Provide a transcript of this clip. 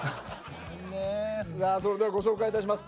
それではご紹介いたします。